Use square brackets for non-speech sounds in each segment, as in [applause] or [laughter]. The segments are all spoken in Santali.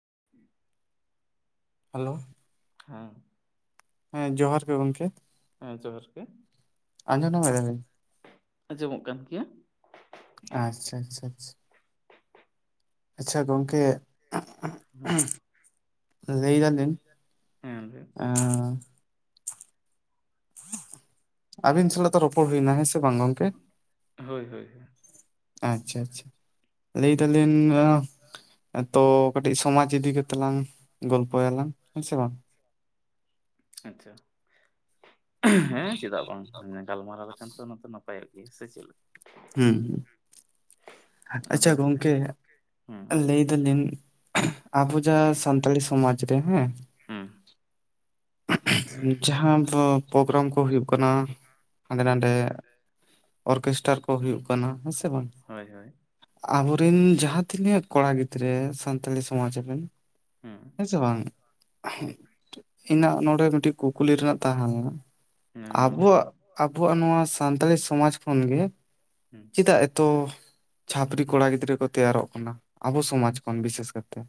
[unintelligible] ᱦᱮᱞᱳ ᱦᱮᱸ ᱦᱮᱸ ᱡᱚᱦᱟᱨ ᱜᱮ ᱜᱚᱝᱠᱮ ᱦᱮᱸ ᱡᱚᱦᱟᱨ ᱜᱮ ᱟᱸᱡᱚᱱᱟ [unintelligible] ᱟᱸᱡᱚᱢᱚᱜ ᱠᱟᱱ ᱜᱮᱭᱟ ᱟᱪᱪᱷᱟᱼᱟᱪᱪᱷᱟ ᱟᱪᱪᱷᱟ ᱟᱪᱷᱟ ᱟᱪᱪᱷᱟ ᱜᱚᱝᱠᱮ ᱾ ᱞᱟᱹᱭ ᱮᱫᱟᱞᱤᱜ ᱦᱮᱸ ᱟ [unintelligible] ᱟᱵᱤᱱ ᱥᱟᱞᱟᱜ ᱛᱚ ᱨᱚᱯᱚᱲ ᱦᱩᱭᱱᱟ ᱦᱮᱸᱥᱮ ᱵᱟᱝ ᱜᱚᱝᱠᱮ ᱟᱪᱼᱪᱷᱟ ᱟᱪᱼᱪᱷᱟ ᱞᱟᱹᱭ ᱫᱟᱞᱤᱱ ᱛᱚ ᱠᱟᱹᱴᱤᱡ ᱥᱚᱢᱟᱡᱽ ᱤᱫᱤ ᱠᱟᱛᱮᱜ ᱞᱝ ᱜᱚᱞᱯᱚᱭᱟᱞᱟᱝ ᱦᱮᱸ ᱥᱮ ᱵᱟᱝ ᱟᱪᱪᱷᱟ ᱦᱮᱸ ᱪᱮᱫᱟᱜ ᱵᱟᱝ ᱜᱟᱞᱢᱟᱨᱟᱣ ᱞᱮᱠᱷᱟᱱ ᱛᱚ ᱟᱭ ᱜᱮ ᱥᱮ ᱪᱮᱫ ᱞᱮᱠᱟ ᱦᱩᱸ ᱦᱩᱸ [unintelligible] ᱟᱪᱪᱷᱟ ᱜᱚᱝᱠᱮ ᱞᱟᱹᱭ ᱫᱟᱞᱤᱱ ᱟᱵᱚ ᱡᱟ ᱥᱟᱱᱛᱟᱲᱤ ᱥᱚᱢᱟᱡᱽ ᱨᱮ ᱦᱮᱸ ᱡᱟᱦᱟᱸ ᱟᱵᱚ ᱯᱨᱳᱜᱨᱟᱢ ᱠᱚ ᱦᱩᱭᱩᱜ ᱠᱟᱱᱟ ᱦᱟᱸᱰᱮ ᱱᱟᱰᱮ ᱚᱨᱠᱮᱥᱴᱟᱨ ᱠᱚ ᱦᱩᱭᱩᱜ ᱠᱟᱱᱟ ᱦᱮᱸ ᱥᱮ ᱵᱟᱝ ᱦᱳᱭ ᱦᱳᱭ ᱟᱵᱚᱨᱮᱱ ᱡᱟᱦᱟᱸ ᱛᱤᱱᱟᱹᱜ ᱠᱚᱲᱟ ᱜᱤᱫᱽᱨᱟᱹ ᱥᱟᱱᱛᱟᱲᱤ ᱥᱚᱢᱟᱡᱽ ᱨᱮᱱ ᱦᱮᱸ ᱥᱮ ᱵᱟᱝ? ᱤᱧᱟᱹᱜ ᱱᱚᱰᱮ ᱢᱤᱫᱴᱤᱡ ᱠᱩᱠᱞᱤ ᱨᱮᱱᱟᱜ ᱛᱟᱦᱮᱸ ᱞᱮᱱᱟ ᱦᱮᱸ ᱢᱟ ᱞᱟᱹᱭ ᱵᱚᱭᱟᱜ ᱟᱵᱚᱣᱟᱜ ᱱᱚᱣᱟ ᱥᱟᱱᱛᱟᱞᱤ ᱥᱚᱢᱟᱡᱽ ᱠᱷᱚᱱᱜᱮ ᱦᱮᱸ ᱪᱮᱫᱟᱜ ᱮᱛᱚ ᱪᱷᱟᱹᱯᱨᱤ ᱠᱚᱲᱟ ᱜᱤᱫᱽᱨᱟᱹ ᱠᱚ ᱛᱮᱭᱟᱨᱚᱜ ᱠᱟᱱᱟ, ᱟᱵᱚ ᱥᱚᱢᱟᱡᱽ ᱠᱷᱚᱱ ᱵᱤᱥᱮᱥ ᱠᱟᱛᱮ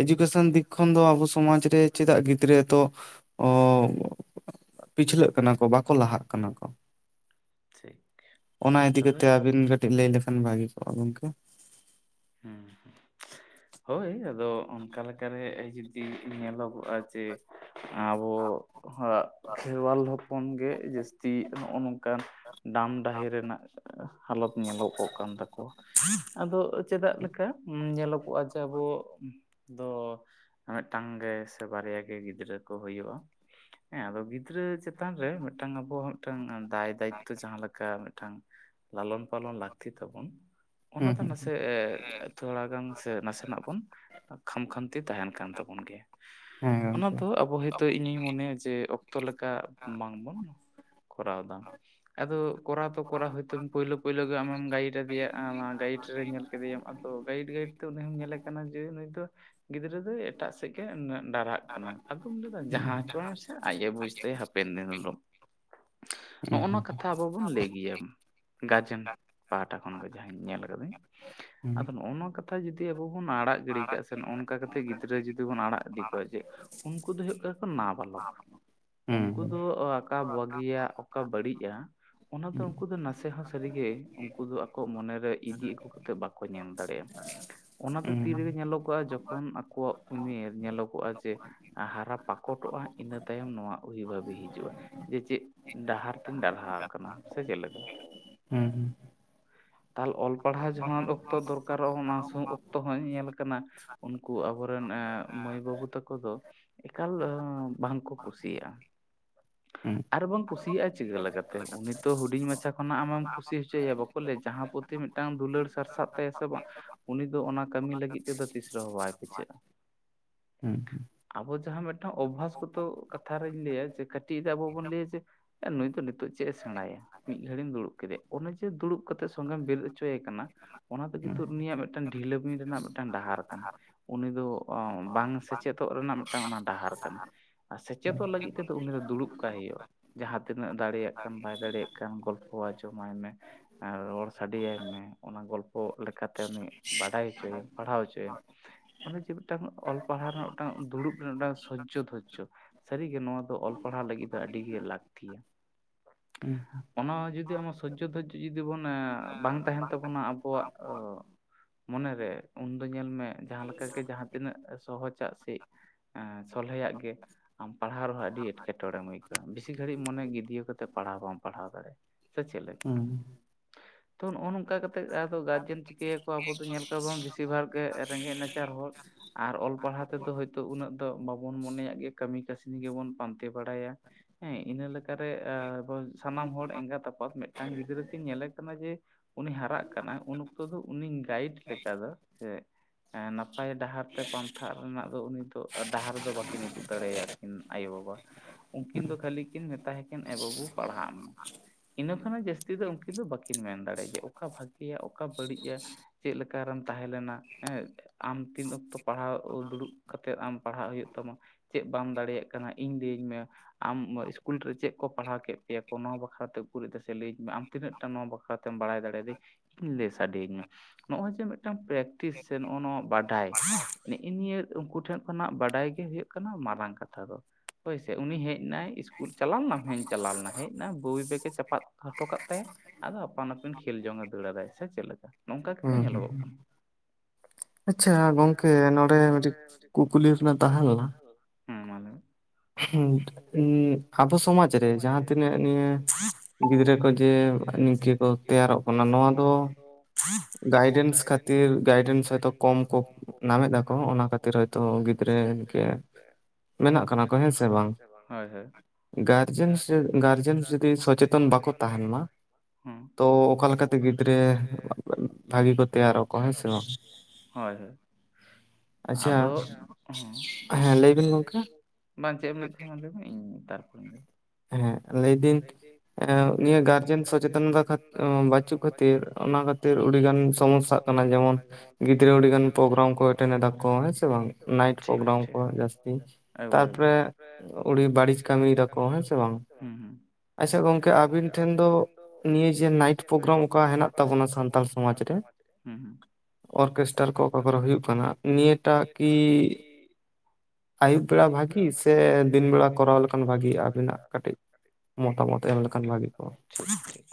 ᱮᱰᱩᱠᱮᱥᱚᱱ ᱫᱤᱠ ᱠᱷᱚᱱ ᱫᱚ ᱟᱵᱚ ᱥᱚᱢᱟᱡ ᱨᱮ ᱪᱮᱫᱟᱜ ᱜᱤᱫᱽᱨᱟᱹ ᱛᱚ ᱚ ᱯᱤᱪᱷᱞᱟᱹᱜ ᱠᱟᱱᱟ ᱠᱚ, ᱵᱟᱠᱚ ᱞᱟᱦᱟᱜ ᱠᱟᱱᱟ᱾ ᱠᱟᱱᱟ ᱠᱚ, ᱚᱱᱟ ᱤᱫᱤ ᱠᱟᱛᱮ ᱟᱹᱵᱤᱱ ᱠᱟᱹᱴᱤᱡ ᱞᱟᱹᱭ ᱞᱮᱠᱷᱟᱱ ᱵᱷᱟᱜᱤ ᱚ ᱜᱚᱝᱠᱮ ᱦᱮᱸ [inaudible] ᱦᱳᱭ ᱟᱫᱚ ᱚᱱᱠᱟ ᱞᱮᱠᱟᱨᱮ ᱡᱩᱫᱤ ᱧᱮᱞᱚᱜᱚᱜ-ᱟ ᱡᱮ ᱟᱵᱚ ᱟᱜ ᱠᱷᱮᱨᱣᱟᱞ ᱦᱚᱯᱚᱱ ᱜᱮ ᱡᱟᱹᱥᱛᱤ ᱱᱚᱜ-ᱚ ᱱᱚᱝᱠᱟᱱ ᱰᱟᱢ ᱰᱟᱦᱤ ᱨᱮᱱᱟᱜ ᱦᱟᱞᱚᱛ ᱧᱮᱞᱚᱜᱚᱜ ᱠᱟᱱ ᱛᱟᱠᱚᱣᱟ ᱟᱫᱚ ᱪᱮᱫᱟᱜ ᱞᱮᱠᱟ ᱧᱮᱞᱚᱜᱚᱜ-ᱟ ᱡᱮ ᱟᱵᱚ ᱫᱚ ᱢᱤᱫᱴᱟᱝ ᱜᱮ ᱥᱮ ᱵᱟᱨᱭᱟ ᱜᱮ ᱜᱤᱫᱽᱨᱟᱹ ᱠᱚ ᱦᱩᱭᱩᱜ-ᱟ᱾ ᱦᱮᱸ ᱟᱫᱚ ᱜᱤᱫᱽᱨᱟᱹ ᱪᱮᱛᱟᱱ ᱨᱮ ᱢᱤᱫᱴᱟᱝ ᱟᱵᱚᱦᱚ ᱢᱤᱫᱴᱟᱝ ᱫᱟᱭ ᱫᱚ ᱫᱟᱭᱤᱛᱛᱚ ᱡᱟᱦᱟᱸ ᱞᱮᱠᱟ ᱢᱤᱫᱴᱟᱝ ᱞᱟᱞᱚᱱ ᱯᱟᱞᱚᱱ ᱞᱟᱹᱠᱛᱤ ᱛᱟᱵᱚᱱ ᱚᱱᱟ ᱫᱚ ᱱᱟᱥᱮ ᱥᱮ ᱛᱷᱚᱲᱟ ᱜᱟᱱ ᱥᱮ ᱱᱟᱥᱮᱱᱟᱜ ᱵᱚᱱ ᱠᱷᱟᱢᱠᱷᱟᱱᱛᱤ ᱛᱟᱦᱮᱱ ᱠᱟᱱ ᱛᱟᱵᱚᱱ ᱜᱮᱭᱟ᱾ ᱦᱮᱸ ᱜᱚᱝᱠᱮ ᱟᱵᱚ ᱦᱚᱭᱛᱳ ᱤᱧᱤᱧ ᱢᱚᱱᱮᱭᱟ ᱡᱮ ᱚᱠᱛᱚ ᱞᱮᱠᱟ ᱵᱟᱝᱵᱚᱱ ᱠᱚᱨᱟᱣ ᱮᱫᱟ᱾ ᱟᱫᱚ ᱠᱚᱨᱟᱣ ᱛᱚ ᱠᱚᱨᱟᱣ ᱦᱚᱭᱛᱳ ᱯᱳᱭᱞᱳ ᱯᱳᱭᱞᱳ ᱜᱮ ᱟᱢᱮᱢ ᱜᱟᱭᱤᱰ ᱟᱫᱮᱭᱟ ᱟᱢ ᱜᱟᱭᱤᱰ ᱧᱮᱞ ᱠᱮᱫᱮᱭᱟᱢ ᱟᱫᱚ ᱜᱟᱭᱤᱰ ᱜᱟᱭᱤᱰ ᱛᱮ ᱩᱱᱤ ᱦᱚᱸᱢ ᱧᱮᱞᱮ ᱠᱟᱱᱟ ᱡᱮ ᱱᱩᱭ ᱫᱚ ᱜᱤᱫᱽᱨᱟᱹ ᱫᱚᱭ ᱮᱴᱟᱜ ᱥᱮᱫ ᱜᱮ ᱩᱱᱟᱹᱜ ᱰᱟᱨᱟᱜ ᱠᱟᱱᱟ ᱟᱫᱚᱢ ᱞᱟᱹᱭᱫᱟ ᱡᱟᱦᱟᱸ ᱦᱚᱪᱚ ᱥᱮ ᱟᱡ ᱮ ᱵᱩᱡᱽ ᱛᱟᱭᱟ ᱦᱟᱯᱮᱱ ᱫᱤᱱ ᱦᱤᱞᱳᱜ ᱱᱚᱜ-ᱚ ᱱᱚᱣᱟ ᱠᱟᱛᱷᱟ ᱟᱵᱚ ᱵᱚᱱ ᱞᱟᱹᱭ ᱜᱮᱭᱟ᱾ ᱜᱟᱡᱮᱱ ᱯᱟᱦᱴᱟ ᱠᱷᱚᱱᱜᱮ ᱡᱟᱦᱟᱸᱧ ᱧᱮᱞ ᱟᱠᱟᱫᱟᱹᱧ᱾ ᱟᱫᱚ ᱱᱚᱜ-ᱚ ᱱᱚᱣᱟ ᱠᱟᱛᱷᱟ ᱡᱩᱫᱤ ᱟᱵᱚ ᱵᱚᱱ ᱟᱲᱟᱜ ᱟᱲᱟᱜ ᱜᱤᱰᱤ ᱠᱟᱜ ᱥᱮ ᱚᱱᱠᱟ ᱠᱟᱛᱮᱫ ᱜᱤᱫᱽᱨᱟᱹ ᱡᱩᱫᱤ ᱵᱚᱱ ᱟᱲᱟᱜ ᱤᱫᱤ ᱠᱚᱣᱟ ᱡᱮ ᱩᱱᱠᱩ ᱫᱚ ᱦᱩᱭᱩᱜ ᱠᱟᱱᱟ ᱱᱟ-ᱵᱟᱞᱚᱠ᱾ ᱩᱱᱠᱩ ᱫᱚ ᱚᱠᱟ ᱵᱟᱹᱜᱤᱭᱟ ᱚᱠᱟ ᱵᱟᱹᱲᱤᱡ-ᱟ ᱚᱱᱟᱫᱚ ᱩᱱᱠᱩ ᱫᱚ ᱱᱟᱥᱮ ᱦᱚᱸ ᱥᱟᱹᱨᱤᱜᱮ ᱩᱱᱠᱩ ᱫᱚ ᱟᱠᱚ ᱢᱚᱱᱮᱨᱮ ᱤᱫᱤ ᱟᱹᱜᱩ ᱠᱟᱛᱮᱫ ᱵᱟᱠᱚ ᱧᱮᱞ ᱫᱟᱲᱮᱭᱟᱜ-ᱟ ᱚᱱᱟ ᱫᱚ ᱛᱤ ᱨᱮᱜᱮ ᱡᱚᱠᱷᱚᱱ ᱟᱠᱚᱣᱟᱜ ᱩᱢᱮᱨ ᱧᱮᱞᱚᱜᱚᱜ-ᱟ ᱡᱮ ᱦᱟᱨᱟ ᱯᱟᱠᱚᱴᱚᱜ-ᱟ ᱤᱱᱟᱹ ᱛᱟᱭᱚᱢ ᱱᱚᱣᱟ ᱩᱭᱵᱷᱟᱵᱤ ᱦᱤᱡᱩᱜ-ᱟ᱾ ᱡᱮ ᱪᱮᱫ ᱰᱟᱦᱟᱨ ᱛᱤᱧ ᱰᱟᱨᱦᱟ ᱠᱟᱱᱟ ᱥᱮ ᱪᱮᱫ ᱞᱮᱠᱟ ᱦᱩᱸ ᱦᱩᱸ ᱛᱟᱦᱞᱮ ᱚᱞ ᱯᱟᱲᱦᱟᱣ ᱡᱟᱦᱟᱸ ᱚᱠᱛᱚ ᱫᱚᱨᱠᱟᱨᱚᱜ-ᱟ ᱚᱱᱟ [unintelligible] ᱚᱠᱛᱚ ᱦᱚᱧ ᱧᱮᱞ ᱠᱟᱱᱟ᱾ ᱩᱱᱠᱩ ᱟᱵᱚᱨᱮᱱ ᱢᱟᱹᱭ ᱵᱟᱹᱵᱩ ᱛᱟᱠᱚ ᱫᱚ ᱮᱠᱟᱞ ᱵᱟᱝᱠᱚ ᱠᱩᱥᱤᱭᱟᱜ-ᱟ᱾ [unintelligible] ᱟᱨ ᱵᱚᱱ ᱠᱩᱥᱤᱭᱟᱜ-ᱟ ᱪᱤᱠᱟᱹ ᱞᱮᱠᱟᱛᱮ, ᱩᱱᱤ ᱛᱚ ᱦᱩᱰᱤᱧ ᱢᱟᱪᱷᱟ ᱠᱷᱚᱱᱟᱜ ᱟᱢᱮᱢ ᱠᱩᱥᱤ ᱦᱚᱪᱚᱭᱟ ᱵᱟᱠᱚ ᱞᱟᱹᱭᱟ ᱡᱟᱦᱟᱸ ᱯᱨᱚᱛᱤ ᱢᱤᱫᱴᱟᱝ ᱫᱩᱞᱟᱹᱲ ᱥᱟᱨᱥᱟᱜ ᱛᱟᱭᱟ ᱥᱮ ᱵᱟᱝ ᱩᱱᱤ ᱫᱚ ᱚᱱᱟ ᱠᱟᱹᱢᱤ ᱞᱟᱹᱜᱤᱫ ᱛᱮᱫᱚ ᱛᱤᱥ ᱨᱮᱦᱚᱸ ᱵᱟᱭ ᱯᱟᱹᱪᱷᱟᱹᱜᱼᱟ᱾ [unintelligible] ᱟᱵᱚ ᱡᱟᱦᱟᱸ ᱢᱤᱫᱴᱟᱝ ᱚᱵᱵᱷᱟᱥ ᱜᱚᱛᱚ ᱠᱟᱛᱷᱟ ᱨᱤᱧ ᱞᱟᱹᱭᱟ ᱡᱮ ᱠᱟᱹᱴᱤᱡ ᱟᱵᱚ ᱵᱚᱱ ᱞᱟᱹᱭᱟ ᱡᱮ ᱱᱩᱭ ᱫᱚ ᱱᱤᱛᱚᱜ ᱪᱮᱫ ᱮ ᱥᱮᱬᱟᱭᱟ? ᱢᱤᱫ ᱜᱷᱟᱹᱲᱤᱡ ᱮᱢ ᱫᱩᱲᱩᱵ ᱠᱮᱫᱮᱭᱟ, ᱚᱱᱮ ᱡᱮ ᱫᱩᱲᱩᱵ ᱠᱟᱛᱮᱜ ᱥᱚᱸᱜᱮᱢ ᱵᱮᱨᱮᱫ ᱦᱚᱪᱚᱭᱮ ᱠᱟᱱᱟ᱾ ᱚᱱᱟ ᱛᱮᱜᱮ ᱛᱚ ᱩᱱᱤᱭᱟᱜ ᱢᱤᱫᱴᱟᱝ ᱰᱷᱤᱞᱟᱹᱢᱤ ᱨᱮᱱᱟᱜ ᱢᱤᱫᱴᱟᱱ ᱰᱟᱦᱟᱨ ᱠᱟᱱᱟ᱾ ᱩᱱᱤ ᱫᱚ ᱵᱟᱝ ᱥᱮᱪᱮᱫᱚᱜ ᱨᱮᱱᱟᱜ ᱢᱤᱫᱴᱟᱝ ᱚᱱᱟ ᱰᱟᱦᱟᱨ ᱠᱟᱱᱟ᱾ ᱟᱨ ᱥᱮᱪᱮᱫᱚᱜ ᱞᱟᱹᱜᱤᱫ ᱛᱮᱫᱚ ᱩᱱᱤ ᱫᱚ ᱫᱩᱲᱩᱵ ᱠᱟᱭ ᱦᱩᱭᱩᱜ-ᱟ ᱡᱟᱦᱟᱸ ᱛᱤᱱᱟᱹᱜ ᱫᱟᱲᱮᱭᱟᱜ ᱠᱟᱱ ᱵᱟᱭ ᱫᱟᱲᱮᱭᱟᱜ ᱠᱟᱱ ᱜᱚᱞᱯᱷᱚ ᱟᱸᱡᱚᱢᱟᱭ ᱢᱮ ᱟᱨ ᱨᱚᱲ ᱥᱟᱰᱮᱭᱟᱭ ᱢᱮ ᱚᱱᱟ ᱜᱚᱞᱯᱚ ᱞᱮᱠᱟᱛᱮ ᱩᱱᱤ ᱵᱟᱰᱟᱭ ᱦᱚᱪᱚᱭᱮ ᱯᱟᱲᱦᱟᱣ ᱦᱚᱪᱚᱭᱮ ᱚᱱᱮ ᱡᱮ ᱢᱤᱫᱴᱟᱝ ᱚᱞ ᱯᱟᱲᱦᱟᱣ ᱨᱮᱱᱟᱜ ᱢᱤᱫᱴᱟᱝ ᱫᱩᱲᱩᱵ ᱨᱮᱱᱟᱜ ᱢᱤᱫᱴᱟᱝ ᱥᱚᱡᱡᱚ ᱫᱷᱳᱨᱡᱚ ᱥᱟᱹᱨᱤᱜᱮ ᱱᱚᱣᱟ ᱫᱚ ᱚᱞ ᱯᱟᱲᱦᱟᱣ ᱞᱟᱹᱜᱤᱫ ᱫᱚ ᱟᱹᱰᱤᱜᱮ ᱞᱟᱹᱠᱛᱤᱭᱟ ᱚᱱᱟ ᱡᱩᱫᱤ ᱟᱢᱟᱜ ᱥᱚᱡᱡᱚ ᱫᱷᱚᱡᱽᱡᱚ ᱡᱩᱫᱤ ᱵᱚᱱ ᱮᱻᱻ ᱵᱟᱝ ᱛᱟᱦᱮᱱ ᱛᱟᱵᱚᱱᱟ ᱟᱵᱚᱣᱟᱜ ᱢᱚᱱᱮᱨᱮ ᱩᱱᱫᱚ ᱧᱮᱞ ᱢᱮ ᱡᱟᱦᱟᱸ ᱞᱮᱠᱟᱜᱮ ᱡᱟᱦᱟᱸ ᱛᱤᱱᱟᱹᱜ ᱥᱚᱦᱚᱡᱟᱜ ᱥᱮ ᱮ ᱥᱚᱞᱦᱮᱭᱟᱜ ᱜᱮ ᱟᱢ ᱯᱟᱲᱦᱟᱣ ᱨᱮᱦᱚᱸ ᱟᱹᱰᱤ ᱮᱴᱠᱮᱴᱚᱬᱮᱢ ᱟᱹᱭᱠᱟᱹᱣᱟ ᱵᱮᱥᱤ ᱜᱷᱟᱹᱲᱤᱡ ᱢᱚᱱᱮ ᱜᱤᱫᱽᱭᱟᱹ ᱠᱟᱛᱮᱜ ᱯᱟᱲᱦᱟᱣ ᱵᱟᱢ ᱯᱟᱲᱦᱟᱣ ᱫᱟᱲᱮᱭᱟᱜ-ᱟ ᱥᱮ ᱪᱮᱫ ᱞᱮᱠᱟ ᱛᱚ ᱱᱚᱜ-ᱚ ᱱᱚᱝᱠᱟ ᱠᱟᱛᱮ ᱜᱟᱨᱡᱮᱱ ᱪᱤᱠᱟᱹᱭᱟᱠᱚ ᱟᱵᱚ ᱫᱚ ᱧᱮᱞ ᱠᱚᱣᱟ ᱵᱟᱝ ᱵᱮᱥᱤᱨ ᱵᱷᱟᱜ ᱜᱮ ᱨᱮᱸᱜᱮᱡ ᱱᱟᱪᱟᱨ ᱦᱚᱲ ᱟᱨ ᱚᱞ ᱯᱟᱲᱦᱟᱣ ᱛᱮᱫᱚ ᱦᱳᱭᱛᱳ ᱩᱱᱟᱹᱜ ᱛᱚ ᱵᱟᱵᱚᱱ ᱢᱚᱱᱮᱭᱟᱜ ᱜᱮ ᱠᱟᱹᱢᱤ ᱠᱟᱹᱥᱱᱤ ᱜᱮᱵᱚᱱ ᱯᱟᱱᱛᱮ ᱵᱟᱲᱟᱭᱟ ᱤᱱᱟᱹ ᱞᱟᱠ ᱮᱠᱟᱨᱮ ᱟᱵᱚ ᱥᱟᱱᱟᱢ ᱦᱚᱲ ᱮᱸᱜᱟᱛ ᱟᱯᱟᱛ ᱢᱤᱫᱴᱟᱝ ᱜᱤᱫᱽᱨᱟᱹ ᱠᱤᱱ ᱧᱮᱞᱮ ᱠᱟᱱᱟ ᱡᱮ ᱩᱱᱤ ᱦᱟᱨᱟᱜ ᱠᱟᱱᱟ ᱩᱱ ᱚᱠᱛᱚ ᱫᱚ ᱩᱱᱤ ᱜᱟᱭᱤᱰ ᱞᱮᱠᱟ ᱫᱚ ᱥᱮ ᱱᱟᱯᱟᱭ ᱰᱟᱦᱟᱨ ᱛᱮ ᱯᱟᱱᱛᱷᱟ ᱨᱮᱱᱟᱜ ᱫᱚ ᱩᱱᱤ ᱫᱚ ᱰᱟᱦᱟᱨ ᱫᱚ ᱵᱟᱠᱤᱱ ᱩᱫᱩᱜ ᱫᱟᱲᱮᱭᱟᱠ ᱠᱤᱱ ᱟᱭᱳ ᱵᱟᱵᱟ ᱩᱱᱠᱤᱱ ᱫᱚ ᱠᱷᱟᱹᱞᱤ ᱠᱤᱱ ᱢᱮᱛᱟᱭᱠᱤᱱ ᱮ ᱵᱟᱹᱵᱩ ᱯᱟᱲᱦᱟᱜ ᱢᱮ ᱤᱱᱟᱹ ᱠᱷᱚᱱᱟᱜ ᱡᱟᱹᱥᱛᱤ ᱫᱚ ᱩᱱᱠᱤᱱ ᱫᱚ ᱵᱟᱹᱠᱤᱱ ᱢᱮᱱ ᱫᱟᱲᱮᱭᱟᱜ-ᱟ ᱡᱮ ᱚᱠᱟ ᱵᱷᱟᱜᱤᱭᱟ ᱚᱠᱟ ᱵᱟᱹᱲᱤᱡ-ᱟ ᱪᱮᱫ ᱞᱮᱠᱟ ᱨᱮᱢ ᱛᱟᱦᱮᱸ ᱞᱮᱱᱟ ᱮ ᱟᱢ ᱛᱤᱱ ᱚᱠᱛᱚ ᱯᱟᱲᱦᱟᱣ ᱫᱩᱲᱩᱵ ᱠᱟᱛᱮᱫ ᱟᱢ ᱯᱟᱲᱦᱟᱜ ᱦᱩᱭᱩᱜ ᱛᱟᱢᱟ ᱪᱮᱫ ᱵᱟᱢ ᱫᱟᱲᱮᱭᱟᱜ ᱠᱟᱱᱟ ᱤᱧ ᱞᱟᱹᱭᱟᱹᱧ ᱢᱮ ᱟᱢ ᱤᱥᱠᱩᱞ ᱨᱮ ᱪᱮᱫ ᱠᱚ ᱯᱟᱲᱦᱟᱣ ᱠᱮᱫ ᱯᱮᱭᱟ ᱠᱚ ᱱᱚᱣᱟ ᱵᱟᱠᱷᱨᱟᱛᱮ ᱩᱠᱩᱨᱤᱡ ᱛᱮᱥᱮ ᱞᱟᱹᱭᱟᱹᱧ ᱢᱮ ᱟᱢ ᱛᱤᱱᱟᱹᱜ ᱴᱟᱜ ᱱᱚᱣᱟ ᱵᱟᱠᱷᱨᱟᱛᱮᱢ ᱵᱟᱲᱟᱭ ᱫᱟᱲᱮᱭᱟᱜ-ᱟ ᱤᱧ ᱞᱟᱹᱭ ᱥᱟᱰᱮ ᱟᱹᱧ ᱢᱮ ᱱᱚᱜ-ᱚᱭ ᱡᱮ ᱢᱤᱫᱴᱟᱝ ᱯᱨᱮᱠᱴᱤᱥ ᱥᱮ ᱱᱚᱜ-ᱚ ᱱᱚᱣᱟ ᱵᱟᱰᱟᱭ ᱱᱮᱜ-ᱮ ᱱᱤᱭᱟᱹ ᱩᱱᱠᱩ ᱴᱷᱮᱱ ᱠᱷᱚᱱᱟᱜ ᱵᱟᱰᱟᱭ ᱜᱮ ᱦᱩᱭᱩᱜ ᱠᱟᱱᱟ ᱢᱟᱨᱟᱝ ᱠᱟᱛᱷᱟ ᱫᱚ ᱦᱳᱭᱥᱮ ᱩᱱᱤ ᱦᱮᱡ ᱮᱱᱟᱭ ᱤᱥᱠᱩᱞ ᱪᱟᱞᱟᱣ ᱞᱮᱱᱟᱢ ᱦᱮᱧ ᱪᱟᱞᱟᱣ ᱞᱮᱱᱟ ᱦᱮᱡ ᱮᱱᱟ ᱵᱳᱭ ᱵᱮᱜᱮ ᱪᱟᱯᱟᱫ ᱦᱚᱴᱚ ᱠᱟᱜ ᱛᱟᱭᱟ᱾ ᱟᱫᱚ ᱟᱯᱟᱱ ᱟᱹᱯᱤᱱ ᱠᱷᱮᱞ ᱡᱚᱝ ᱮ ᱫᱟᱹᱲ ᱫᱟᱭ ᱥᱮ ᱪᱮᱜ ᱞᱮᱠᱟ ᱱᱚᱝᱠᱟ ᱜᱮᱛᱚ ᱧᱮᱞᱚᱜᱚᱜ ᱠᱟᱱᱟ᱾ ᱟᱪᱪᱷᱟ ᱜᱚᱝᱠᱮ ᱱᱚᱸᱰᱮ ᱢᱤᱫᱴᱤᱡ ᱠᱩᱠᱞᱤ ᱦᱩᱱᱟᱸᱝ ᱛᱟᱦᱮᱸ ᱞᱮᱱᱟ᱾ ᱦᱮᱸ ᱢᱟ ‌ᱞᱟᱹᱭ‌ ᱢᱮ᱾ ᱦᱩᱸ ᱟᱵᱚ ᱥᱚᱢᱟᱪ ᱨᱮ ᱡᱟᱦᱟᱸ ᱛᱤᱱᱟᱹᱜ ᱱᱤᱭᱟᱹ ᱜᱤᱫᱽᱨᱟᱹ ᱠᱚ ᱡᱮ ᱱᱤᱼᱼ ᱠᱤ ᱠᱚ ᱛᱮᱭᱟᱨᱚᱜ᱾ ᱚᱱᱟ ᱱᱚᱣᱟ ᱫᱚ ᱜᱟᱭᱰᱮᱱᱥ ᱠᱷᱟᱛᱤᱨ ᱜᱟᱭᱰᱮᱱᱥ ᱦᱚᱭᱛᱚ ᱠᱚᱢ ᱠᱚᱼᱼ ᱱᱟᱢᱮ ᱫᱟᱠᱚ ᱚᱱᱟ ᱠᱷᱟᱛᱤᱨ ᱦᱚᱭᱛᱚ ᱜᱤᱫᱽᱨᱟᱹᱠᱮ ᱢᱮᱱᱟᱜ ᱠᱟᱱᱟ ᱠᱚ᱾ ᱱᱟ‌ᱜ ᱠᱟᱱᱟ ᱠᱚ ᱦᱮᱸᱥᱮ ᱵᱟᱝ ᱦᱚᱭ ᱦᱚᱭ᱾ ᱜᱟᱨᱡᱮᱱ ᱥᱮ ᱜᱟᱨᱡᱮᱱ ᱥᱮ ᱡᱩᱫᱤ ᱥᱚᱪᱮᱛᱚᱱ ᱵᱟᱠᱚ ᱛᱟᱦᱮᱱ ᱢᱟ᱾ ᱦᱚᱸ᱾ ᱚᱠᱟ ᱞᱮᱠᱟ ᱛᱮ ᱜᱤᱫᱽᱨᱟᱹ [inaudible] ᱵᱷᱟᱜᱤ ᱠᱚ ᱛᱮᱭᱟᱨᱚᱜ-ᱟ ᱦᱮᱸ ᱥᱮ ᱵᱟᱝ ᱦᱚᱭ ᱦᱚᱭ᱾ ᱟᱫᱚ ᱦᱚᱸ ᱦᱚᱭ ᱢᱟ ᱞᱟᱹᱭ ‌ᱵᱮ‌ᱱ ᱜᱚᱝᱠᱮ? [unintelligible] ᱢᱟ ᱪᱮᱜ ᱮᱢ ᱞᱟᱹᱭᱮᱜ ᱛᱟᱦᱮᱸᱜ ᱢᱟ ᱞᱟᱹᱭ ᱢᱮ ᱤᱧ ᱛᱟᱨᱯᱚᱨᱮᱧ ᱞᱟᱹᱭᱟ᱾ ᱦᱮᱸ ᱞᱟᱹᱭ ᱫᱤᱧ᱾ ᱮᱸ ᱱᱤᱭᱟᱹ ᱜᱟᱨᱡᱮᱱ ᱥᱚᱪᱮᱛᱚᱱᱚ ᱛᱟ ᱵᱟᱪᱩᱜ ᱠᱷᱟᱹᱛᱤᱨ ᱚᱱᱟ ᱠᱷᱟᱹᱛᱤᱨ ᱩᱲᱤ ᱜᱟᱨᱡᱮᱱ ᱥᱚᱢᱚᱥᱥᱟᱜ ᱠᱟᱱᱟ ᱡᱮᱢᱚᱱ ᱜᱤᱫᱽᱨᱟᱹ ᱩᱰᱤᱜᱟᱱ ᱯᱨᱳᱜᱽᱨᱟᱢ ᱠᱚ ᱮᱴᱮᱱ ᱮᱫᱟ ᱠᱚ ᱦᱮᱸ ᱥᱮ ᱵᱟᱝ ᱱᱟᱭᱤᱴ ᱯᱨᱳᱜᱽᱨᱟᱢ ᱠᱚ ᱡᱟᱥᱛᱤ᱾ ᱛᱟᱨᱯᱚᱨᱮ ᱩᱲᱤ ᱵᱟᱲᱤᱪ ᱠᱟᱹᱢᱤᱭ ᱫᱟᱠᱚ ᱦᱮ ᱸᱥᱮ᱾ ᱚ ᱦᱮᱸ ᱥᱮ ᱵᱟᱝ, ᱦᱩᱸ ᱦᱩᱸ᱾ ᱟᱪᱪᱷᱟ ᱜᱚᱝᱠᱮ ᱟᱵᱤᱱ ᱴᱷᱮᱱ ᱫᱚ ᱱᱤᱭᱟᱹ ᱡᱮ ᱱᱟᱭᱤᱴ ᱯᱨᱳᱜᱽᱨᱟᱢ ᱚᱠᱟ ᱦᱮᱱᱟᱜ ᱛᱟᱵᱚᱱᱟ ᱥᱟᱱᱛᱟᱞ ᱥᱚᱢᱟᱪ ᱨᱮᱼᱼ ᱦᱮᱸ ᱦᱟᱸᱜ᱾ ᱚᱨᱠᱮᱥᱴᱟᱨ ᱠᱚ ᱚᱠᱟ ᱠᱚᱨᱮ ᱦᱩᱭᱩᱜ ᱠᱟᱱᱟ ᱱᱤᱭᱟᱹ ᱴᱟᱜ ᱠᱤᱼᱼ ᱟᱭᱩᱵ ᱵᱮᱲᱟ ᱵᱷᱟᱜᱤ ᱥᱮ ᱫᱤᱱ ᱵᱮᱲᱟ ᱠᱚᱨᱟᱣ ᱞᱮᱠᱷᱟᱱ ᱵᱷᱟᱜᱤᱜ-ᱟ, ᱟᱵᱤᱱᱟᱜᱼᱼ ᱠᱟ. ᱴᱤᱡ ᱢᱚᱴᱟᱢᱚᱴᱤ ᱮᱢ ᱞᱮᱠᱷᱟᱱ ᱵᱷᱟ. ᱜᱤ ᱠᱚᱜ-ᱟ᱾ ᱴᱷᱤᱠ-ᱴᱷᱤᱠ᱾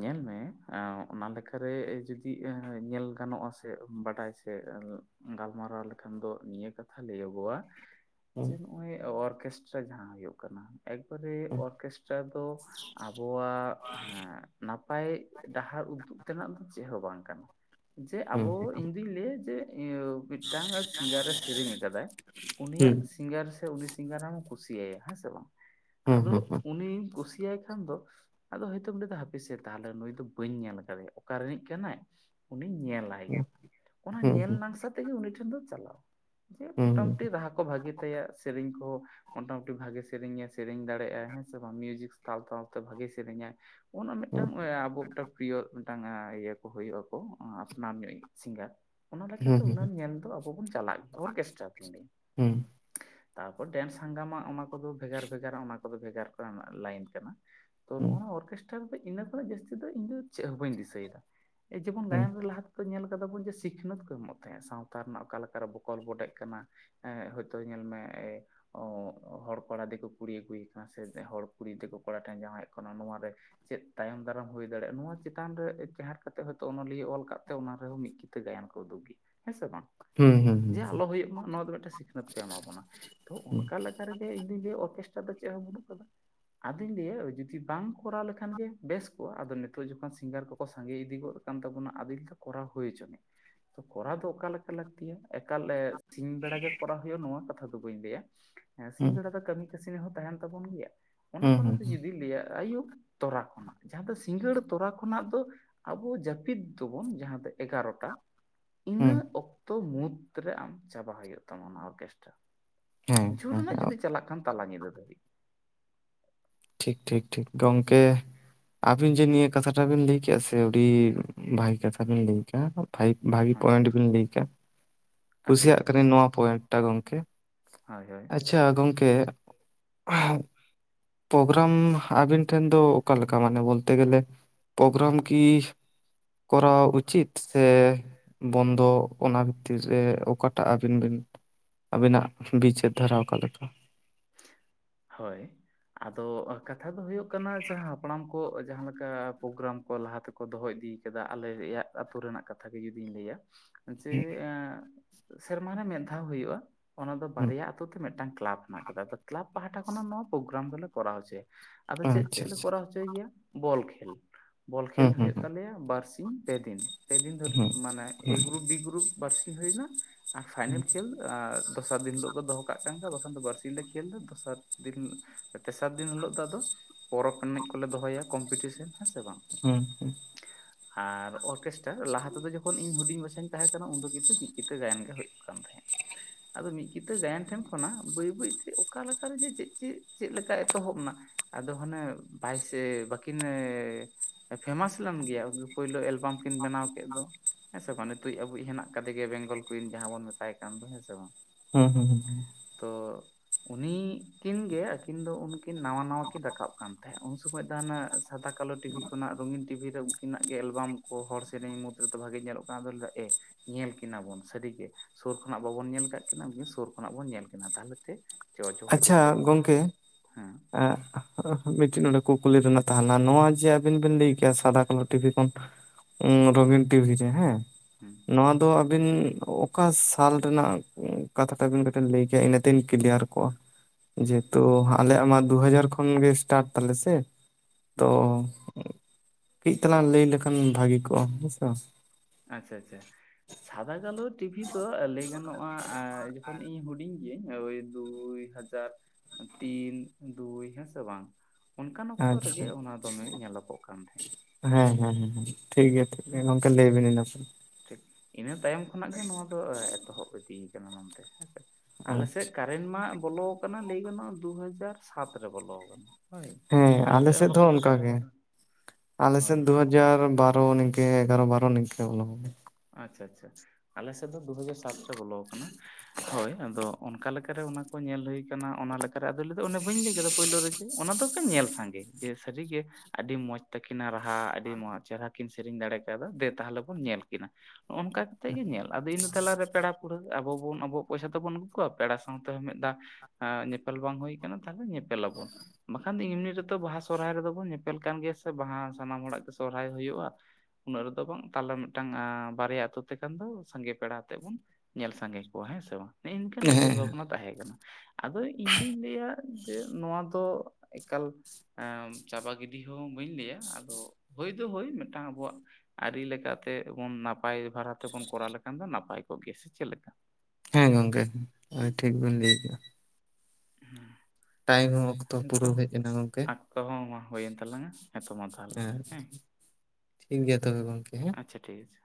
ᱧᱮᱞ ᱢᱮ ᱟᱸ ᱚᱱᱟ ᱞᱮᱠᱟ ᱨᱮ ᱡᱩᱫᱤ ᱮ ᱧᱮᱞ ᱜᱟᱱᱚᱜ-ᱟ ᱥᱮ ᱵᱟᱰᱟᱭ ᱥᱮ ᱜᱟᱞᱢᱟᱨᱟᱣ ᱞᱮᱠᱷᱟᱱ ᱫᱚ ᱱᱤᱭᱟᱹ ᱠᱟᱛᱷᱟ ᱞᱟᱹᱭᱟᱹᱵᱚ-ᱟ ᱡᱮ ᱱᱚᱜ-ᱚᱭ ᱚᱨᱠᱮᱥᱴ ᱨᱮ ᱡᱟᱦᱟᱸ ᱦᱩᱭᱩᱜ ᱠᱟᱱᱟ᱾ ᱮᱠ ᱵᱟᱨᱮ ᱚᱨᱠᱮᱥᱴᱨ ᱫᱚ ᱟᱵᱚᱣᱟᱜ ᱦᱮᱸ ᱱᱟᱯᱟᱭ ᱰᱟᱦᱟᱨ ᱩᱫᱩᱜ ᱛᱮᱱᱟᱜ ᱫᱚ ᱪᱮᱫ ᱦᱚᱸ ᱵᱟᱝ ᱠᱟᱱᱟ ᱡᱮ ᱟᱵᱚ ᱤᱧᱼᱼ ᱡᱩᱫᱤᱧ ᱞᱟᱹᱭᱟ ᱡᱮ ᱤᱭᱟᱹ ᱢᱤᱫᱴᱟᱝ ᱥᱤᱝᱜᱟᱨ ᱮ ᱥᱮᱨᱮᱧ ᱟᱠᱟᱫᱟᱭ ᱩᱱᱤᱭᱟᱜ ᱥᱤᱼᱼ ᱥᱤᱝᱜᱟᱨ ᱥᱮ ᱩᱱᱤ ᱥᱤᱝᱜᱟᱨ ᱮᱢ ᱠᱩᱥᱤᱭᱟᱭᱟ ᱦᱮᱸ ᱥᱮ ᱵᱟᱝ ᱟᱫᱚ ᱩᱱᱤ ᱠᱩᱥᱤᱭᱟᱭ ᱠᱷᱟᱱ ᱫᱚᱼᱼ [unintelligible] ᱦᱟᱯᱮ ᱥᱮ ᱛᱟᱦᱚᱞᱮ ᱱᱩᱭ ᱫᱚ ᱵᱟᱹᱧ ᱧᱮᱞ ᱟᱠᱟᱫᱮᱭᱟ ᱚᱠᱟ ᱨᱤᱱᱤᱡ ᱠᱟᱱᱟᱭ ᱩᱱᱤ ᱧᱮᱞ ᱞᱟᱼᱼ ᱟᱭ ᱜᱮ ᱚᱱᱟ ᱧᱮᱞ ᱱᱟᱝᱥᱟ ᱛᱮᱜᱮ ᱩᱱᱤ ᱴᱷᱮᱱ ᱫᱚ ᱪᱟᱞᱟᱣ᱾ ᱡᱮ ᱢᱚᱴᱟᱼᱢᱩᱴᱤ ᱨᱟᱦᱟ ᱠᱚ ᱵᱷᱟ. ᱜᱤ ᱛᱟᱭᱟ ᱥᱮᱨᱮᱧ ᱠᱚ᱾ ᱢᱚᱴᱟᱼᱢᱩᱴᱤ ᱵᱷᱟ. ᱜᱮ ᱥᱮᱨᱮᱧᱮ ᱥᱮᱨᱮᱧ ᱫᱟᱲᱮᱭᱟᱜ ᱟᱭ ᱦᱮᱸ ᱥᱮ ᱵᱟᱝ ᱢᱤᱭᱩᱡᱤᱠ ᱥᱟᱶ ᱥᱟᱶᱛᱮ ᱵᱷᱟ. ᱜᱮ ᱥᱮᱨᱮᱧᱟᱭ᱾ [unintelligible] ᱢᱤᱫᱴᱟᱝ ᱤᱭᱟᱹ ᱠᱚ ᱦᱩᱭᱩᱜ-ᱟ ᱠᱚ ᱟᱯᱱᱟᱨ ᱧᱚᱜ ᱤᱡ ᱥᱤᱝᱜᱟᱨ᱾ ᱚᱱᱟ ᱞᱮᱠᱟ ᱛᱮ ᱚᱱᱟ ᱧᱮᱞ ᱫᱚ ᱟᱵᱚ ᱵᱚᱱ ᱪᱟᱞᱟᱜ ᱜᱮᱭᱟ ᱚᱨᱠᱮᱥᱴᱟᱨ ᱨᱤᱱᱤᱡ᱾ ᱛᱟᱨᱯᱚᱨ ᱰᱮᱱᱥ ᱦᱟᱝᱜᱟᱢᱟ ᱚᱱᱟ ᱠᱚᱫᱚ ᱵᱷᱮᱜᱟᱨ ᱵᱷᱮᱜᱟᱨᱟ ᱚᱱᱟ ᱠᱚᱫᱚ ᱵᱷᱮᱜᱟᱨ ᱠᱚᱨᱮ ᱱᱟᱜ ᱞᱟᱭᱤᱱ ᱠᱟᱱᱟ᱾ ᱛᱚ ᱱᱚᱜ-ᱚ ᱱᱚᱣᱟ ᱚᱨᱠᱮᱥᱴᱟᱨ ᱫᱚ ᱤᱱᱟᱹ ᱠᱷᱚᱱᱟᱜ ᱡᱟᱹᱥᱛᱤ ᱫᱚ ᱤᱧ ᱫᱚ ᱪᱮᱜ ᱦᱚᱸ ᱵᱟᱹᱧ ᱫᱤᱥᱟᱹᱭ ᱫᱟ ᱮ ᱡᱮᱢᱚᱱ ᱜᱟᱭᱟᱱ ᱨᱮ ᱞᱟᱦᱟᱼᱼ ᱛᱚ ᱧᱮᱞ ᱠᱟᱫᱟ ᱵᱚᱱ ᱡᱮ ᱥᱤᱠᱷᱱᱟᱹᱛᱷ ᱠᱚ ᱮᱢᱚᱜ ᱛᱮᱦᱮᱸᱜ ᱥᱟᱶᱛᱟ ᱨᱮᱱᱟᱜ ᱚᱠᱟ‌ ᱞᱮᱠᱟ ᱨᱮ ᱵᱚᱠᱚᱞ ᱵᱚᱰᱮᱜ ᱠᱟᱱᱟ᱾ ᱮ ᱦᱳᱭᱛᱳ ᱧᱮᱞ ᱢᱮ ᱮ ᱚ ᱦᱚᱲ ᱠᱚᱲᱟ ᱫᱮᱠᱩ ᱠᱩᱲᱤ ᱟᱹᱜᱩᱭᱮ ᱠᱟᱱᱟ ᱥᱮ ᱦᱚᱲ ᱠᱩᱲᱤ ᱫᱤᱠᱩ ᱠᱚᱲᱟ ᱴᱷᱮᱱ ᱡᱟᱶᱟᱭᱚᱜ ᱠᱟᱱᱟ ᱱᱚᱣᱟ ᱨᱮ ᱪᱮᱫ ᱛᱟᱭᱚᱢ ᱫᱟᱨᱟᱢ ᱦᱩᱭ ᱫᱟᱲᱮᱭᱟᱜ-ᱟ ᱱᱚᱣᱟ ᱪᱮᱛᱟᱱ ᱨᱮ ᱤᱡᱟᱹᱦᱟᱨ ᱠᱟᱛᱮᱜ ᱦᱚᱛᱚ ᱚᱱᱚᱞᱤᱭᱟᱹ ᱚᱞ ᱟᱠᱟᱫ ᱛᱮ ᱚᱱᱟ ᱨᱮᱦᱚᱸ ᱢᱤᱫᱼᱼ ᱛᱮ ᱜᱟᱭᱟᱱ ᱠᱚ ᱩᱫᱩᱜ ᱠᱮᱭᱟ ᱦᱮᱸ ᱥᱮ ᱵᱟᱝ ᱡᱮ ᱟᱞᱚ ᱦᱩᱭᱩᱜ ᱢᱟ ᱱᱚᱣᱟ ᱫᱚ ᱢᱤᱫᱴᱟ. ᱝ ᱥᱤᱼᱼ ᱥᱤᱠᱷᱱᱟᱹᱛ ᱠᱚ ᱮᱢᱟ ᱵᱚᱱᱟ ᱛᱚ ᱚᱱᱠᱟ ᱞᱮᱠᱟᱨᱮ ᱡᱮ ᱤᱧ ᱫᱩᱧ ᱞᱟᱹᱭᱟ ᱚᱨᱠᱮᱥᱴᱟᱨ ᱫᱚ ᱪᱮᱫ ᱦᱚᱸ ᱵᱟᱹᱱᱩᱜ ᱟᱠᱟᱫᱟ᱾ ᱟᱫᱚᱧ ᱞᱟᱹᱭᱟ ᱡᱩᱫᱤ ᱵᱟᱝ ᱠᱚᱨᱟᱣ ᱞᱮᱠᱷᱟᱱ [unintelligible] ᱠᱚᱨᱟᱣ ᱫᱚ ᱚᱠᱟ ᱞᱮᱠᱟ ᱞᱟᱹᱠᱛᱤᱭᱟ? ᱮᱠᱟᱞ ᱥᱤᱧ ᱵᱮᱲᱟ ᱜᱮ ᱠᱚᱨᱟᱣ ᱦᱩᱭᱩᱜᱟ ᱱᱚᱣᱟ ᱠᱟᱛᱷᱟ ᱫᱚ ᱵᱟᱹᱧ ᱞᱟᱹᱭᱟ ᱥᱤᱧ ᱵᱮᱲᱟ ᱫᱚ ᱠᱟᱹᱢᱤ ᱥᱮ ᱦᱚᱸ ᱛᱟᱦᱮᱱ ᱛᱟᱵᱚᱱ ᱜᱮᱭᱟ ᱚᱱᱟ ᱠᱷᱚᱱ ᱡᱩᱫᱤ ᱞᱟᱹᱭᱟ ᱟᱭᱵᱩ ᱛᱚᱨᱟ ᱠᱷᱚᱱᱟᱜ ᱡᱟᱦᱟᱸ ᱫᱚ ᱥᱤᱸᱜᱟᱹᱲ ᱛᱚᱨᱟ ᱠᱷᱚᱱᱟᱜ ᱫᱚ ᱟᱵᱚ ᱡᱟᱹᱯᱤᱫ ᱫᱚᱵᱚᱱ ᱡᱟᱦᱟᱸ ᱫᱚ ᱮᱜᱟᱨᱚᱴᱟ ᱤᱱᱟᱹ ᱚᱠᱛᱚ ᱢᱩᱫᱽ ᱨᱮ ᱟᱢ ᱪᱟᱵᱟ ᱦᱩᱭᱩᱜ ᱛᱟᱢᱟ ᱚᱱᱟ ᱚᱨᱠᱮᱥᱴᱨᱟ ᱡᱷᱩᱨ ᱨᱮᱱᱟᱜ ᱡᱩᱫᱤ ᱪᱟᱞᱟᱜ ᱠᱷᱟᱱ ᱛᱟᱞᱟ ᱧᱤᱫᱟᱹ ᱫᱷᱟᱹᱵᱤᱡ ᱴᱷᱤᱠ ᱴᱷᱤᱠ ᱴᱷᱤᱠ ᱜᱚᱝᱠᱮ ᱟᱵᱤᱱ ᱡᱮ ᱱᱤᱭᱟᱹ ᱠᱟᱛᱷᱟ ᱴᱟᱜ ᱵᱤᱱ ᱞᱟᱹᱭ ᱠᱮᱜᱟ ᱥᱮ ᱥᱮ ᱟᱹᱣᱰᱤ ᱵᱷᱟ. ᱜᱤ ᱠᱟᱛᱷᱟ ᱵᱤᱱ ᱞᱟᱹᱭ ᱟᱠᱟᱜ-ᱟ ᱯᱷᱟᱤᱭᱵᱽ ᱵᱷᱟ. ᱜᱤ ᱯᱚᱭᱮᱱᱴ ᱵᱮᱱ ᱞᱟᱹᱭ ᱟᱠᱟᱜ-ᱟ᱾ ᱠᱩᱥᱤᱭᱟᱜ ᱠᱟᱹᱱᱟᱹᱧ ᱱᱚᱣᱟ ᱯᱚᱭᱮᱱᱴ ᱴᱟ ᱜᱚᱝᱠᱮ᱾ ᱦᱚᱣ ᱦᱚᱭ᱾ ᱟᱪᱴᱪᱷᱟ ᱜᱚᱝᱠᱮ ᱯᱚᱜᱨᱟᱢ ᱟᱵᱤᱱ ᱴᱷᱮᱱ ᱫᱚ ᱚᱠᱟᱮ ᱞᱮᱠᱟ ᱢᱟᱱᱮ ᱵᱚᱞᱛᱮ ᱜᱮᱞᱮ ᱯᱳᱴᱚᱜᱨᱟᱢ ᱠᱤ ᱠᱚᱨᱟᱣ ᱩᱪᱤᱛ ᱥᱮ ᱵᱚᱱᱫᱚ ᱚᱱᱟ ᱵᱷᱤᱛᱤᱨ ᱨᱮ ᱚᱠᱟᱴᱟᱜ ᱟᱹᱵᱤᱱ ᱵᱤᱱ ᱟᱵᱤᱱᱟᱜ ᱵᱤᱪᱟ. ᱮ ᱫᱷᱟᱨᱟ ᱚᱠᱟ ᱞᱮᱠᱟ᱾ ᱦᱚᱭ ᱟᱫᱚ ᱠᱟᱛᱷᱟ ᱫᱚ ᱦᱩᱭᱩᱜ ᱠᱟᱱᱟ ᱡᱟᱦᱟᱸ ᱦᱟᱯᱲᱟᱢ ᱠᱚ ᱡᱟᱦᱟᱸ ᱞᱮᱠᱟ ᱯᱚᱜᱨᱟᱢ ᱠᱚ ᱞᱟᱦᱟ ᱛᱮᱠᱚ ᱫᱚᱦᱚ ᱤᱫᱤ ᱠᱟᱫᱟ ᱟᱞᱮᱭᱟᱜ ᱟᱹᱛᱩ ᱨᱮᱱᱟᱜ ᱠᱟᱛᱷᱟ ᱜᱮ ᱡᱩᱫᱤᱧ ᱞᱟᱹᱭᱟ ᱡᱮ ᱥᱮᱨᱢᱟ ᱨᱮ ᱢᱤᱫ ᱫᱷᱟᱣ ᱦᱩᱭᱩᱜᱼᱟ ᱚᱱᱟ ᱫᱚ ᱵᱟᱨᱭᱟ ᱟᱛᱩ ᱛᱮ ᱢᱤᱫᱴᱟᱝ ᱠᱮᱞᱟᱵᱽ᱾ ᱢᱮᱱᱟᱜ ᱟᱠᱟᱫᱟ ᱠᱟ. ᱞᱟᱵᱽ ᱯᱟᱦᱟᱴᱟ ᱠᱷᱚᱱᱟᱜ ᱱᱚᱣᱟ ᱯᱚᱜᱨᱟᱢ ᱫᱚᱞᱮ ᱠᱚᱨᱟᱣ ᱦᱚᱪᱚᱭᱟ ᱟᱫᱚ ᱪᱮᱫ ᱪᱮᱫ ᱞᱮ ᱠᱚᱨᱟᱣ ᱪᱟᱭ ᱜᱮᱭᱟ ᱵᱚᱞ ᱠᱷᱮᱞ ᱵᱚᱞ ᱠᱷᱮᱞ ᱦᱩᱭᱩᱜ ᱛᱟᱞᱮᱭᱟ ᱵᱟᱨᱥᱤᱧ ᱯᱮ ᱫᱤᱱ᱾ ᱯᱮᱫᱤᱱ ᱫᱷᱚᱨᱮ ᱢᱟᱱᱮ ᱮ ᱜᱨᱩᱯ ᱵᱤ ᱜᱨᱩᱯ ᱵᱟ. ᱨᱥᱤᱧ ᱦᱩᱭᱱᱟ ᱟᱨ ᱯᱷᱟᱭᱱᱮᱞ ᱠᱷᱮᱞ ᱟᱨ ᱫᱚᱥᱟᱨ ᱫᱤᱱ ᱦᱤᱞᱚᱜ ᱠᱚ ᱫᱚᱦᱚ ᱠᱟᱜ ᱠᱟᱱ ᱠᱷᱟᱱ ᱵᱟᱠᱷᱟᱱ ᱫᱚ ᱵᱟ. ᱨᱥᱤᱧ ᱤᱱᱟ ᱠᱷᱮᱞ ᱫᱚ ᱫᱚᱥᱟᱨ ᱫᱤᱱ ᱛᱮᱥᱟᱨ ᱫᱤᱱ ᱦᱤᱞᱚᱜ ᱫᱚ ᱟᱫᱚ ᱯᱚᱨᱚᱵᱽ ᱮᱱᱮᱡ ᱠᱚᱞᱮ ᱫᱚᱦᱚᱭᱟ ᱠᱚᱢᱯᱤᱴᱤᱥᱮᱱ ᱦᱮᱸ ᱥᱮ ᱵᱟᱝ ᱦᱮᱸ ᱦᱮᱸ ᱟᱨ ᱚᱨᱠᱮᱥᱴᱟᱨ ᱞᱟᱦᱟ ᱛᱮᱫᱚ ᱡᱚᱠᱷᱚᱱ ᱤᱧ ᱦᱩᱰᱤᱧ ᱵᱚᱭᱮᱥ ᱤᱧ ᱛᱟᱦᱮᱸ ᱠᱟᱱᱟ ᱩᱱ ᱫᱚ ᱠᱤᱱᱛᱩ ᱢᱤᱫ ᱠᱤᱛᱟᱹ ᱜᱟᱭᱟᱱ ᱜᱮ ᱦᱩᱭᱩᱜ ᱠᱟᱱ ᱛᱟᱦᱮᱸᱫ᱾ ᱟᱫᱚ ᱢᱤᱫ ᱠᱤᱛᱟᱹ ᱜᱟᱭᱟᱱ ᱴᱷᱮᱱ ᱠᱷᱚᱱᱟᱜ ᱵᱟᱹᱭ ᱵᱟᱹᱭ ᱛᱮ ᱚᱠᱟᱞᱮᱠᱟ ᱨᱮᱡᱮ ᱪᱮᱫ ᱪᱮ ᱪᱮᱫ ᱞᱮᱠᱟ ᱮᱛᱚᱦᱚᱵ ᱮᱱᱟ ᱟᱫᱚ ᱦᱟᱱᱮ ᱵᱟᱭ ᱥᱮ ᱵᱟᱹᱠᱤᱱ ᱯᱷᱮᱢᱟᱥ ᱞᱮᱱ ᱜᱮᱭᱟ ᱩᱱ ᱫᱚ ᱯᱳᱭᱞᱳ ᱯᱷᱚᱨᱟᱢ ᱠᱤᱱ ᱵᱮᱱᱟᱣ ᱠᱮᱫ ᱫᱚ, ᱦᱮᱸ ᱥᱮ ᱵᱟᱝ? [unintelligible] ᱟᱵᱩᱭᱤᱡ ᱦᱮᱱᱟᱜ ᱠᱟᱫᱮ ᱜᱮ ᱵᱮᱝᱜᱚᱞ ᱠᱩᱭᱤᱱ ᱡᱟᱦᱟᱸ ᱵᱚᱱ ᱢᱮᱛᱟᱭ ᱠᱟᱱ ᱫᱚ ᱦᱮᱸ ᱥᱮ ᱵᱟᱝ ᱦᱩᱸ ᱦᱩᱸ ᱛᱚ ᱩᱱᱤ ᱠᱤᱱ ᱜᱮ ᱟᱹᱠᱤᱱ ᱫᱚ ᱩᱱᱠᱤᱱ ᱱᱟᱣᱟ ᱱᱟᱣᱟ ᱠᱤᱱ ᱨᱟᱠᱟᱵ ᱠᱟᱱ ᱛᱟᱦᱮᱸᱫ ᱩᱱ ᱥᱩᱚᱢᱚᱭ ᱫᱚ ᱦᱱᱟ ᱥᱟᱫᱟ ᱠᱟᱞᱳ ᱴᱤᱵᱷᱤ ᱚᱱᱟ ᱨᱚᱝᱜᱤᱱ ᱴᱤᱵᱷᱤ ᱨᱮ ᱩᱱᱠᱤᱱᱟᱜ ᱜᱮ ᱮᱞᱵᱟᱢ ᱠᱚ ᱦᱚᱲ ᱥᱮᱨᱮᱧ ᱢᱩᱫᱽ ᱨᱮᱫᱚ ᱵᱷᱟᱜᱮ ᱧᱮᱞᱚᱜ ᱠᱟᱱᱟ ᱟᱫᱚ ᱮ ᱞᱟᱹᱭ ᱮ ᱧᱮᱞ ᱠᱤᱱᱟᱵᱚᱱ ᱥᱟᱹᱨᱤᱜᱮ ᱥᱩᱨ ᱠᱷᱚᱱᱟᱜ ᱵᱟᱵᱚᱱ ᱧᱮᱞ ᱠᱟᱜ ᱠᱤᱱᱟ ᱩᱱᱠᱤᱱ ᱥᱩᱨ ᱠᱷᱚᱱᱟᱜ ᱵᱚᱱ ᱧᱮᱞ ᱠᱤᱱᱟ ᱛᱟᱦᱚᱞᱮ ᱛᱮ ᱪᱚ ᱡᱳᱜᱟᱡᱳᱠ ᱛᱟᱵᱚᱱ ᱯᱮ ᱦᱮᱸ ᱟᱫᱚ ᱢᱤᱫ ᱴᱤᱡ ᱱᱚᱰᱮ ᱠᱩᱠᱞᱤ ᱨᱮᱱᱟᱜ ᱛᱟᱦᱮᱞᱮᱱᱟ, ᱱᱚᱣᱟ ᱡᱮ ᱟᱵᱤᱱ ᱵᱤᱱ ᱞᱟᱹᱭ ᱠᱮᱭᱟ ᱥᱟᱫᱟ ᱠᱟᱞᱳ ᱴᱤᱵᱷᱤ ᱠᱷᱚᱱ ᱨᱚᱝᱜᱤᱱ ᱴᱤᱵᱷᱤ ᱨᱮ ᱦᱮ ᱱᱚᱣᱟ ᱫᱚ ᱟᱹᱵᱤᱱ ᱚᱠᱟ ᱥᱟᱞ ᱨᱮᱱᱟᱜ ᱠᱟᱛᱷᱟ ᱛᱟᱵᱤᱱ ᱠᱟᱛᱮ ᱞᱟᱹᱭ ᱠᱮᱭᱟ ᱤᱱᱟᱹᱛᱤᱧ ᱠᱞᱤᱭᱟᱨ ᱠᱚᱜᱼᱟ᱾ ᱡᱮᱦᱮᱛᱩ ᱟᱞᱮᱭᱟᱜ ᱢᱟ ᱫᱩᱦᱟᱡᱟᱨ ᱠᱷᱚᱱ ᱜᱮ ᱥᱴᱟᱨᱴ ᱛᱟᱞᱮ ᱥᱮ ᱛᱚ ᱠᱟᱹᱡ ᱛᱟᱞᱟᱝ ᱞᱟᱹᱭ ᱞᱮᱠᱷᱟᱱ ᱵᱷᱟᱹᱜᱤ ᱠᱚᱜᱼᱟ ᱾ ᱦᱩ ᱥᱚ ᱵᱟᱝ ᱟᱪᱪᱷᱟ ᱟᱪᱪᱷᱟ ᱥᱟᱫᱟ ᱠᱟᱞᱳ ᱴᱤᱵᱷᱤ ᱫᱚ ᱞᱟᱹᱭ ᱜᱟᱱᱚᱜᱼᱟ ᱡᱚᱠᱷᱚᱱ ᱤᱧ ᱦᱩᱰᱤᱧ ᱳᱭ ᱫᱩᱭ ᱦᱟᱡᱟᱨ ᱛᱤᱱ ᱫᱩᱭ ᱦᱮᱸᱥᱮ ᱵᱟᱝ ᱚᱱᱠᱟᱱ ᱚᱠᱛᱚ ᱨᱮᱜᱮ ᱚᱱᱟ ᱫᱚᱢᱮ ᱧᱮᱞᱚᱜᱚᱜ ᱠᱟᱱ ᱛᱟᱦᱮᱸᱫ᱾ ᱦᱮᱸ ᱦᱮᱸ ᱦᱮᱸ ᱴᱷᱤᱠ ᱜᱮᱭᱟ ᱴᱷᱤᱠ ᱜᱮᱭᱟ ᱜᱚᱝᱠᱮ ᱞᱟᱹᱭ ᱵᱤᱱ ᱤᱱᱟ ᱯᱚᱨ᱾ ᱴᱷᱤᱠ ᱤᱱᱟᱹ ᱛᱟᱭᱚᱢ ᱠᱷᱚᱱᱟᱜ ᱜᱮ ᱱᱚᱣᱟ ᱫᱚ ᱮᱛᱚᱦᱚᱵ ᱤᱫᱤᱭ ᱠᱟᱱᱟ ᱢᱮᱱᱛᱮ ᱦᱮᱸᱥᱮ ᱟᱞᱮᱥᱮᱫ ᱠᱟ ᱮᱱ ᱢᱟ ᱵᱚᱞᱚᱣ ᱠᱟᱱᱟ ᱞᱟᱹᱭ ᱜᱟᱱᱚᱜᱼᱟ ᱫᱩᱦᱟᱡᱟᱨ ᱥᱟᱛ ᱨᱮ ᱵᱚᱞᱚᱣ ᱠᱟᱱᱟ᱾ ᱦᱮᱸ ᱟᱞᱮᱥᱮᱫ ᱫᱚ ᱚᱱᱠᱟ ᱜᱮ, ᱟᱞᱮᱥᱮᱱ ᱫᱩᱦᱟᱡᱟᱨ ᱵᱟ ᱨᱚ ᱱᱤᱝᱠᱟᱹ ᱮᱜᱟᱨᱚ ᱵᱟᱨᱚ ᱱᱤᱝᱠᱟᱹ ᱵᱚᱞᱚᱣ ᱠᱟᱱᱟ ᱟᱪᱪᱷᱟ ᱟᱪᱪᱷᱟ ᱟᱞᱮ ᱥᱮᱫ ᱫᱚ ᱫᱩᱦᱟᱡᱟᱨ ᱥᱟᱛ ᱨᱮ ᱵᱚᱞᱚᱣ ᱠᱟᱱᱟ᱾ ᱦᱳᱭ ᱟᱫᱚ ᱚᱱᱠᱟᱞᱮᱠᱟᱨᱮ ᱚᱱᱟ ᱠᱚ ᱧᱮᱞ ᱦᱩᱭ ᱠᱟᱱᱟ ᱚᱱᱟᱞᱮᱠᱟᱨᱮ ᱟᱫᱚ ᱞᱟᱹᱭ ᱚᱱᱮ ᱵᱟᱹᱧ ᱞᱟᱹᱭ ᱠᱮᱫᱟ ᱯᱳᱭᱞᱳ ᱨᱮᱪᱮ ᱚᱱᱟ ᱫᱚ ᱧᱮᱞ ᱥᱟᱸᱜᱮ ᱡᱮ ᱥᱟᱹᱨᱤᱜᱮ ᱟᱰᱤ ᱢᱚᱡᱽ ᱛᱟᱹᱠᱤᱱᱟ ᱨᱟᱦᱟ ᱟᱰᱤ ᱢᱚᱡᱽ ᱪᱮᱦᱨᱟ ᱠᱤᱱ ᱥᱮᱨᱮᱧ ᱫᱟᱲᱮ ᱠᱟᱣᱫᱟ, ᱫᱮ ᱛᱟᱦᱞᱮ ᱵᱚᱱ ᱧᱮᱞ ᱠᱤᱱᱟ ᱱᱚᱜᱼᱚ ᱱᱚᱝᱠᱟ ᱠᱟᱛᱮᱜ ᱜᱮ ᱧᱮᱞ ᱟᱫᱚ ᱤᱱᱟᱹ ᱛᱟᱞᱟᱨᱮ ᱯᱮᱲᱟ ᱟᱵᱚ ᱵᱚᱱ ᱟᱵᱚᱣᱟᱜ ᱯᱚᱭᱥᱟ ᱛᱮᱵᱚᱱ ᱟᱹᱜᱩ ᱠᱚᱣᱟ ᱯᱮᱲᱟ ᱥᱟᱶᱛᱮᱦᱚᱸ ᱢᱤᱫ ᱫᱟᱣ ᱧᱮᱯᱮᱞ ᱵᱟᱝ ᱦᱩᱭ ᱟᱠᱟᱱᱟ ᱛᱟᱦᱞᱮ ᱧᱮᱯᱮᱞ ᱟᱵᱚᱱ᱾ ᱵᱟᱠᱷᱟᱱ ᱫᱚ ᱮᱢᱱᱤ ᱨᱮᱛᱚ ᱵᱟᱦᱟ ᱥᱚᱨᱚᱦᱟᱭ ᱨᱮᱫᱚ ᱵᱚᱱ ᱧᱮᱯᱮᱞ ᱠᱟᱱ ᱜᱮᱭᱟ ᱥᱮ ᱵᱟᱦᱟ ᱥᱟᱱᱟᱢ ᱦᱚᱲᱟᱜ ᱜᱮ ᱥᱚᱨᱦᱟᱭ ᱦᱩᱭᱩᱜᱼᱟ᱾ ᱩᱱᱟᱹᱜ ᱨᱮᱫᱚ ᱵᱟᱝ ᱛᱟᱞᱮᱢ ᱢᱤᱫᱴᱟᱝ ᱟᱸᱻ ᱵᱟᱨᱭᱟ ᱟᱹᱛᱩ ᱛᱮᱠᱟᱱ ᱫᱚ ᱥᱟᱸᱜᱮ ᱯᱮᱲᱟ ᱟᱛᱮᱜ ᱵᱚᱱ ᱧᱮᱞ ᱥᱟᱸᱜᱮ ᱠᱚᱣᱟ ᱦᱮᱸ ᱥᱮ ᱵᱟᱝ, ᱱᱤᱜᱼᱱᱤᱝᱠᱟᱹᱱ ᱩᱭᱦᱟᱹᱨ ᱵᱷᱟᱵᱽᱱᱟ ᱛᱟᱦᱮᱸ ᱠᱟᱱᱟ᱾ ᱟᱫᱚ ᱤᱧ ᱫᱩᱧ ᱞᱟᱹᱭᱟ ᱡᱮ ᱱᱚᱶᱟ ᱫᱚ ᱮᱠᱟᱞ ᱮᱸ ᱪᱟᱵᱟ ᱜᱤᱰᱤ ᱦᱚᱸ ᱵᱟᱹᱧ ᱞᱟᱹᱭᱟ ᱟᱫᱚ ᱦᱳᱭ ᱫᱚ ᱦᱳᱭ ᱢᱤᱫᱴᱟᱝ ᱟᱵᱚᱣᱟᱜ ᱟᱨᱤ ᱞᱮᱠᱟᱛᱮᱜ ᱵᱚᱱ ᱱᱟᱯᱟᱭ ᱵᱷᱟᱨᱟ ᱛᱮᱵᱚᱱ ᱠᱚᱨᱟᱣ ᱞᱮᱠᱷᱟᱱ ᱫᱚ ᱱᱟᱯᱟᱭ ᱠᱚᱜ ᱜᱮᱭᱟ ᱥᱮ ᱪᱮᱫ ᱞᱮᱠᱟ ᱦᱮᱸ ᱜᱚᱝᱠᱮ ᱟᱵᱤᱱ ᱴᱷᱤᱠ ᱵᱤᱱ ᱞᱟᱹᱭ ᱠᱟᱫᱟ᱾ ᱦᱩᱸ ᱴᱟᱭᱤᱢ ᱦᱚᱸ ᱚᱠᱛᱚ ᱯᱩᱨᱟᱹᱣ ᱦᱮᱡ ᱮᱱᱟ ᱜᱚᱝᱠᱮ᱾ ᱠᱚᱦᱚ ᱢᱟ ᱦᱩᱭᱮᱱ ᱛᱟᱞᱟᱝᱟ᱾ ᱦᱮᱸ [inaudible] ᱴᱷᱤᱠ ᱜᱮᱭᱟ ᱛᱚᱵᱮ ᱜᱚᱝᱠᱮ ᱦᱮᱸ ᱟᱪᱪᱷᱟ ᱴᱷᱤᱠ ᱟᱪᱷᱮ᱾